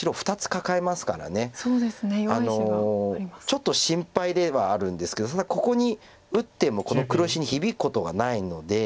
ちょっと心配ではあるんですけどただここに打ってもこの黒石に響くことがないので。